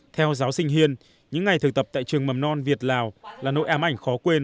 theo giáo sinh hiên những ngày thực tập tại trường mầm non việt lào là nỗi ám ảnh khó quên